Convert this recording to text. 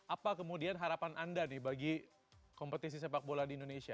apa kemudian harapan anda nih bagi kompetisi sepak bola di indonesia